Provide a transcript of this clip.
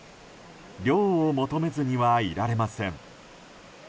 涼を求めずにはいられません。